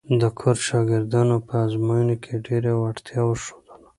د کورس شاګردانو په ازموینو کې ډېره وړتیا وښودله.